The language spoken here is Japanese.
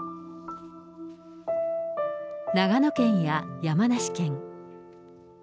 長野県や山梨県。